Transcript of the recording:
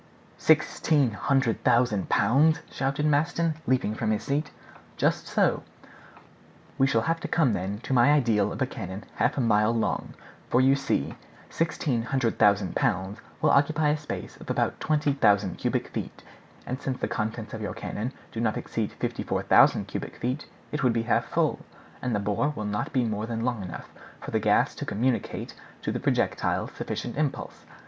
"Sixteen hundred thousand pounds?" shouted Maston, leaping from his seat. "Just so." "We shall have to come then to my ideal of a cannon half a mile long; for you see 1,600,000 pounds will occupy a space of about 20,000 cubic feet; and since the contents of your cannon do not exceed 54,000 cubic feet, it would be half full; and the bore will not be more than long enough for the gas to communicate to the projectile sufficient impulse."